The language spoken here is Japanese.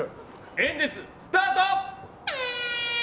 演説スタート！